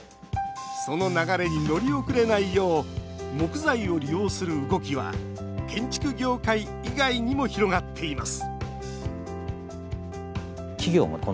その流れに乗り遅れないよう木材を利用する動きは建築業界以外にも広がっています